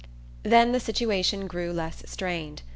Then the situation grew less strained.